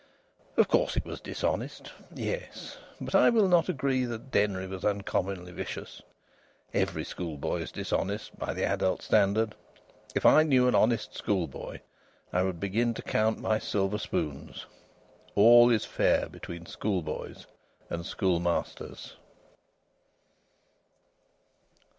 Of course it was dishonest. Yes, but I will not agree that Denry was uncommonly vicious. Every schoolboy is dishonest, by the adult standard. If I knew an honest schoolboy I would begin to count my silver spoons as he grew up. All is fair between schoolboys and schoolmasters.